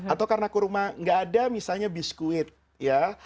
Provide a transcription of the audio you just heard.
atau karena kurma nggak ada misalnya biskuit ya